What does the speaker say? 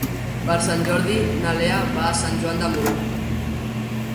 Per Sant Jordi na Lea va a Sant Joan de Moró.